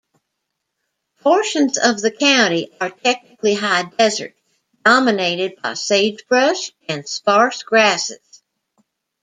Portions of the county are technically high desert, dominated by sagebrush and sparse grasses.